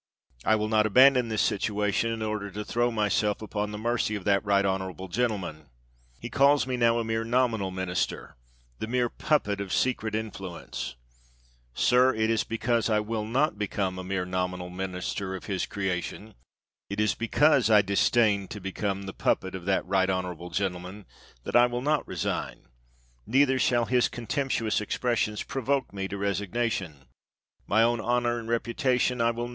I will not abandon this situation in order to throw myself upon the mercy of that right honorable gentleman. He calls me now a mere nominal minister, the mere puppet of secret in fluence. Sir, it is because I will not become a mere nominal minister of his creation — it is because I disdain to become the puppet of that right honorable gentleman — that I will not re sign; neither shall his contemptuous expressions provoke me to resignation; my own honor and reputation I never will resign.